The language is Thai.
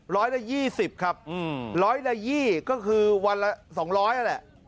ร้อยละ๒๐ครับร้อยละยี่ก็คือวันละ๒๐๐นั่นแหละ